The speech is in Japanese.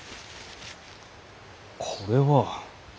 これは。